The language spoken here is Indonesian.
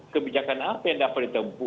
kebijakan apa yang dapat ditempuh